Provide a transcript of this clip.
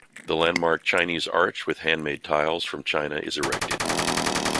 The landmark Chinese Arch with handmade tiles from China is erected.